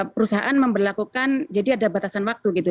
perusahaan memperlakukan jadi ada batasan waktu gitu